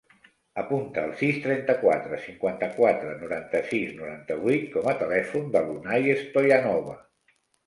Apunta el sis, trenta-quatre, cinquanta-quatre, noranta-sis, noranta-vuit com a telèfon de l'Unay Stoyanova.